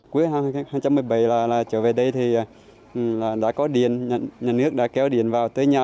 cuối hai nghìn một mươi bảy là trở về đây thì đã có điện nhà nước đã kéo điện vào tới nhà